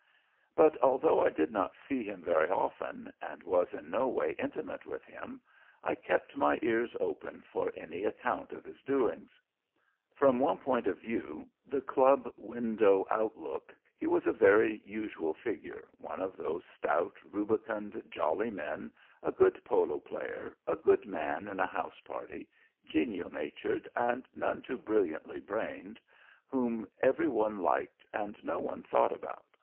But although I did not see him very often and was in no way intimate with him, I kept my ears open for any account of his doings. From one point of view, the Club Window outlook, he was a very usual figure, one of those stout, rubicund, jolly men, a good polo player, a good man in a house party, genial natured, and none too brilliantly brained, whom every one liked and no one thought about.